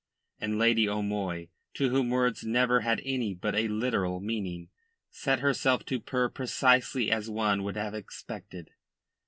And Lady O'Moy, to whom words never had any but a literal meaning, set herself to purr precisely as one would have expected.